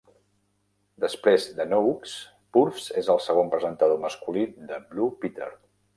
Després de Noakes, Purves és el segon presentador masculí de Blue Peter.